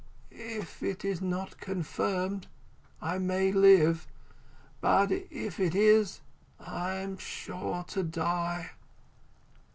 If it is not confirmed, I may live; but if it is, I am sure to die."